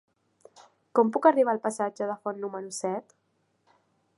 Com puc arribar al passatge de Font número set?